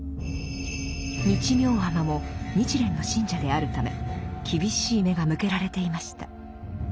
日妙尼も日蓮の信者であるため厳しい目が向けられていました。